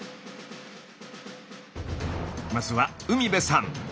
まずは海辺さん。